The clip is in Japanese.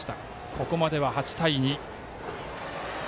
ここまでは８対２。